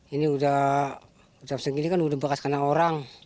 ini udah jam segini kan udah bakas kena orang